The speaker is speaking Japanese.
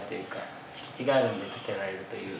敷地があるので建てられるっていう。